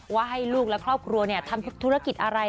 ว่าให้ลูกและครอบครัวทำธุรกิจอะไร